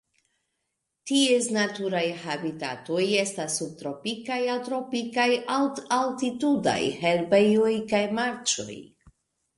Ties naturaj habitatoj estas subtropikaj aŭ tropikaj alt-altitudaj herbejoj kaj marĉoj.